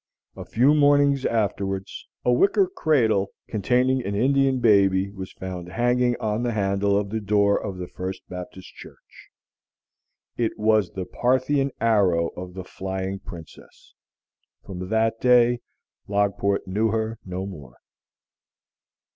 A few mornings afterwards, a wicker cradle containing an Indian baby was found hanging on the handle of the door of the First Baptist Church. It was the Parthian arrow of the flying Princess. From that day Logport knew her no more.